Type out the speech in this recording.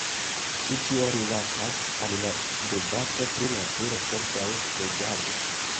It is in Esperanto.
Ĉi tio rilatas al la debato pri naturo kontraŭ flegado.